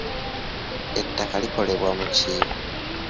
Ettaka likolebwa mu ki?